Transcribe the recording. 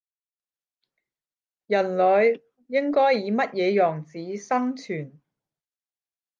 人類應該以乜嘢樣子生存